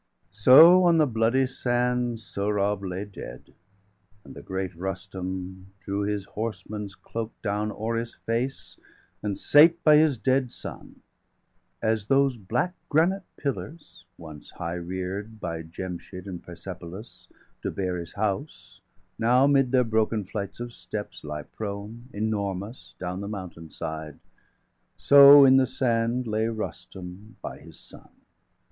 So, on the bloody sand, Sohrab lay dead; And the great Rustum drew his horseman's cloak Down o'er his face, and sate by his dead son. As those black granite pillars, once high rear'd 860 By Jemshid in Persepolis,° to bear °861 His house, now 'mid their broken flights of steps Lie prone, enormous, down the mountain side So in the sand lay Rustum by his son.